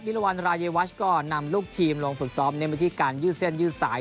รวรรณรายวัชก็นำลูกทีมลงฝึกซ้อมเน้นวิธีการยืดเส้นยืดสาย